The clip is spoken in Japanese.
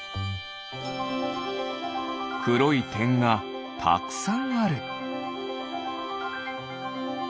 くろいてんがたくさんある。